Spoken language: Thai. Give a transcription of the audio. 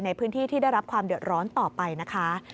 ในพื้นที่ที่ได้รับความเดือดร้อนต่อไปนะคะ